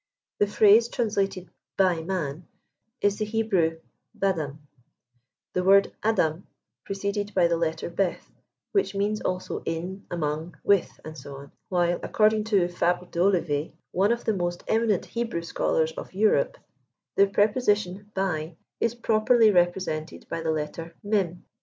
The phrase translated " by man" is the Hebrew «« b'adam ;" the word adam preceded by the letter beth, which means also in, amongj with, &c; while, according to Fabre d'Olivet, one of the most eminent Hebrew scholars of Europe, 125 the preposition by" is properly represented by the letter mem.